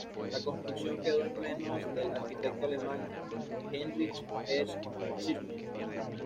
La construcción quedó en manos del arquitecto alemán Heinrich Ernst Schirmer.